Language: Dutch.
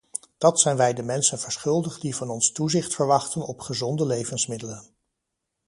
Dat zijn wij de mensen verschuldigd die van ons toezicht verwachten op gezonde levensmiddelen.